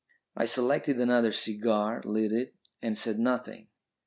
I selected another cigar, lit it, and said nothing.